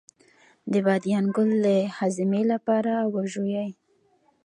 د بادیان ګل د هاضمې لپاره وژويئ